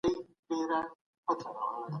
تر څو چې يو پښتون ژوندی وي.